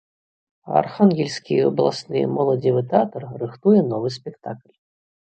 Архангельскі абласны моладзевы тэатр рыхтуе новы спектакль.